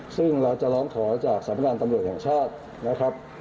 ซึ่งเราจะร้องขอจากสำนักงานตำรวจแห่งชาตินะครับ